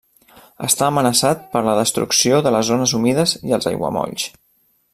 Està amenaçat per la destrucció de les zones humides i els aiguamolls.